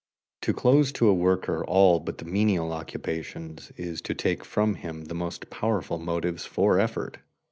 To close to a worker all but the menial occupations is to take from him the most powerful motives for effort.